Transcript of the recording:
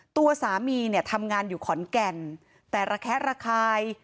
ตัวสามีเนี่ยทำงานอยู่ขอนแก่นแต่ระแคะระคาย